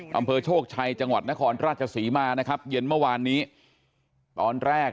อำเภอโชคชัยจังหวัดนครราชศรีมานะครับเย็นเมื่อวานนี้ตอนแรก